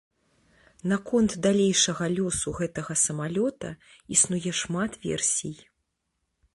Наконт далейшага лёсу гэтага самалёта існуе шмат версій.